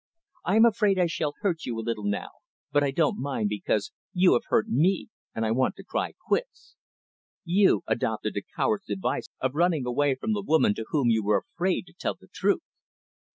I am afraid I shall hurt you a little now, but I don't mind because you have hurt me, and I want to cry quits. You adopted the coward's device of running away from the woman to whom you were afraid to tell the truth."